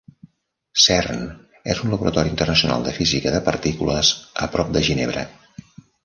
Cern és un laboratori internacional de física de partícules a prop de Ginebra.